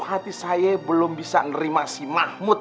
hati saya belum bisa nerima si mahmud